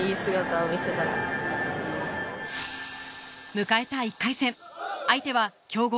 迎えた１回戦相手は強豪